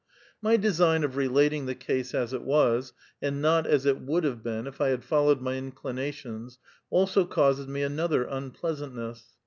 My design of relating the case as it was, and not as it would have been if I had followed my inclinations, also causes me another unpleasantness.